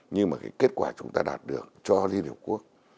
nhưng mà cái kết quả chúng ta đạt được cho liên hợp quốc